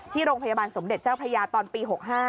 โรงพยาบาลสมเด็จเจ้าพระยาตอนปี๖๕